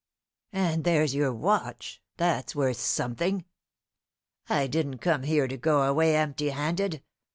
And there's your watch; that's worth something. I didn't come here to go away empty handed.